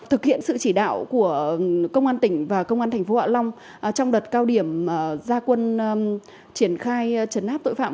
thực hiện sự chỉ đạo của công an tỉnh và công an thành phố hạ long trong đợt cao điểm gia quân triển khai trấn áp tội phạm